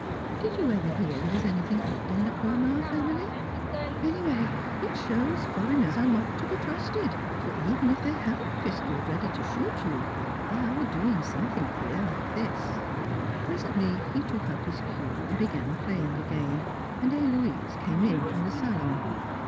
Did you ever hear there was anything odd in the Croixmare family? Anyway it shows foreigners are not to be trusted, for, even if they haven't pistols ready to shoot you, they are doing something queer like this. [Sidenote: Indigestion!] Presently he took up his cue and began playing again, and Héloise came in from the salon.